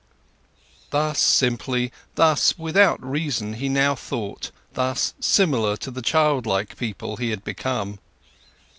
Thus simply, thus without reason he now thought, thus similar to the childlike people he had become.